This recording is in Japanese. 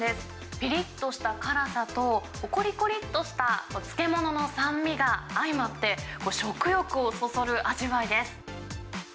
ぴりっとした辛さと、こりこりっとした漬物の酸味が相まって、食欲をそそる味わいです。